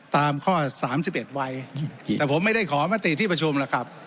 ตามข้อสามสิบเอ็ดวัยแต่ผมไม่ได้ขอมัตติที่ประชุมแล้วครับ